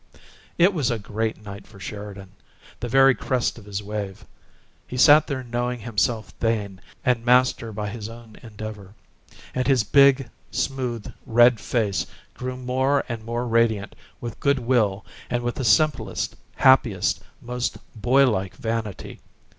It was a great night for Sheridan the very crest of his wave. He sat there knowing himself Thane and master by his own endeavor; and his big, smooth, red face grew more and more radiant with good will and with the simplest, happiest, most boy like vanity.